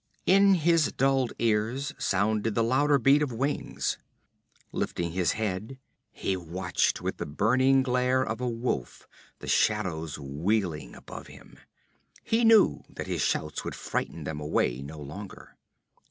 In his dulled ears sounded the louder beat of wings. Lifting his head he watched with the burning glare of a wolf the shadows wheeling above him. He knew that his shouts would frighten them away no longer.